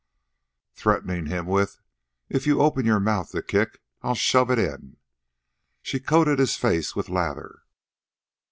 Threatening him with, "If you open your mouth to kick I'll shove it in," she coated his face with lather.